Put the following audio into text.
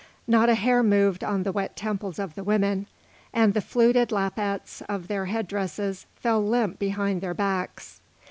Not a hair moved on the wet temples of the women, and the fluted lappets of their head dresses fell limp behind their backs.